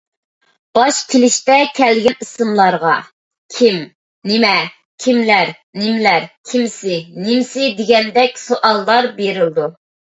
باش كېلىشتە كەلگەن ئىسىملارغا «كىم، نېمە، كىملەر، نېمىلەر، كېمىسى، نېمىسى» دېگەندەك سوئاللار بېرىلىدۇ.